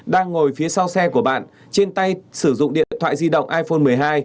đang ngồi phía sau xe của bạn trên tay sử dụng điện thoại di động iphone một mươi hai